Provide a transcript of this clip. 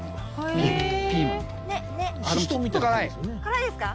辛いですか？